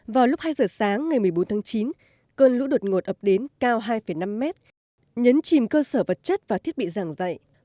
vào lúc hai giờ sáng ngày một mươi bốn tháng chín cơn lũ đột ngột ập đến cao hai năm mét nhấn chìm cơ sở vật chất và thiết bị giảng dạy